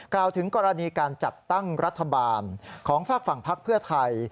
กล่าวถึงกรณีการจัดตั้งรัฐบาลของฝากฝั่งพักเพื่อไทย